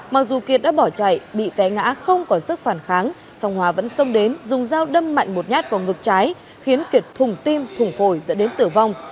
mặc dù kiệt đã bỏ chạy bị té ngã không có sức phản kháng song hóa vẫn xông đến dùng dao đâm mạnh một nhát vào ngực trái khiến kiệt thùng tim thùng phổi dẫn đến tử vong